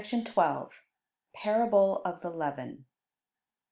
] THE PARABLE OF THE LEAVEN.